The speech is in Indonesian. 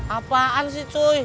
apaan sih cuy